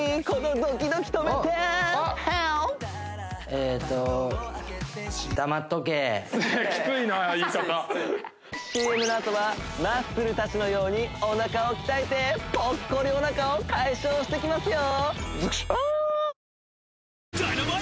えーとＣＭのあとはマッスルたちのようにおなかを鍛えてポッコリおなかを解消していきますよ